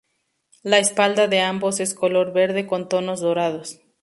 La espalda de ambos es color verde con tonos dorados.